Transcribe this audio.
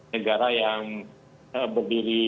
negara yang berdiri